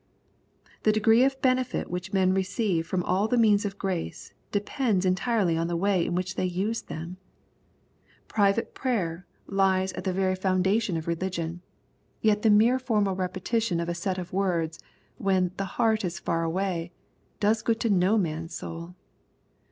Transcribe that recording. The degree of benefit which men receive from all the means of grace depends entirely on the way in which they use them. Private prayer li3s at the very founda 258 EXPOSITORY THOUOHTS. tion of reUgion ; yet the mere fonual repetition of a set of words, when "the heart is far away/' does good to no man's soul.